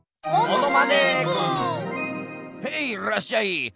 ヘイいらっしゃい！